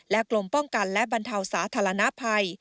กรมป้องกันและบรรเทาสาธารณภัย